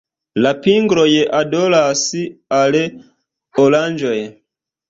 La pingloj odoras al oranĝoj.